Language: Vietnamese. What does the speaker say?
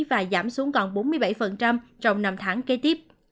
và giảm xuống còn bốn mươi bảy trong năm tháng kế tiếp